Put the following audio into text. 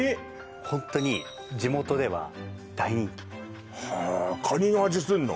ホントに地元では大人気へえカニの味すんの？